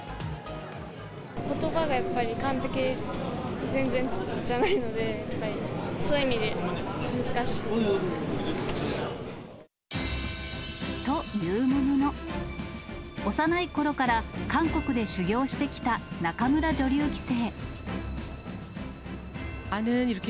ことばがやっぱり、完璧、全然じゃないので、やっぱりそういう意味で難しいです。というものの、幼いころから韓国で修業してきた仲邑女流棋聖。